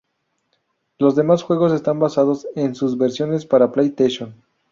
Los demás juegos están basados en sus versiones para PlayStation.